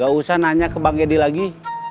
gak usah nanya ke bang edi lagi